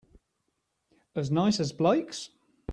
As nice as Blake's?